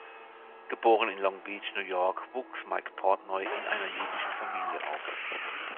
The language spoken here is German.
Geboren in Long Beach, New York, wuchs Mike Portnoy in einer jüdischen Familie auf.